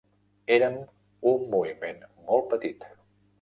Érem un moviment molt petit.